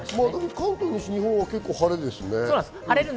関東、西日本は晴れですね。